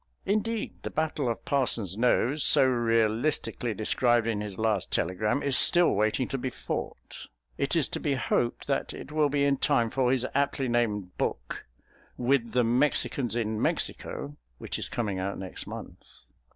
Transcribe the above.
Indeed the battle of Parson's Nose, so realistically described in his last telegram, is still waiting to be fought. It is to be hoped that it will be in time for his aptly named book, With the Mexicans in Mexico, which is coming out next month.